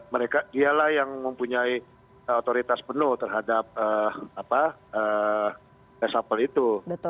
mereka dialah yang mempunyai otoritas penuh terhadap resapel itu